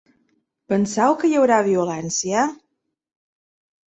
Penseu que hi haurà violència?